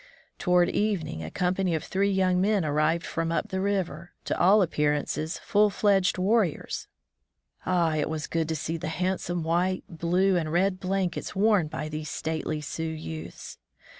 Toward evening a company of three yoimg men arrived from up the river — to all appearance full fledged warriors. Ah, it was good to see the handsome white, blue, and red blankets worn by these stately Sioux youths!